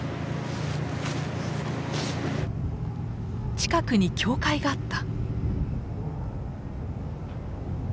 近くに教会があった。